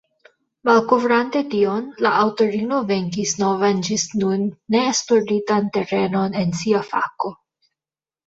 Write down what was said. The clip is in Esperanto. Malkovrante tion, la aŭtorino venkis novan ĝis nun ne esploritan terenon en sia fako.